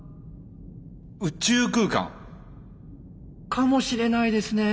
宇宙空間！かもしれないですねぇ。